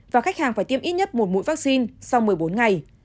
và khách hàng phải tiêm ít nhất một mũi vaccine sau một mươi bốn ngày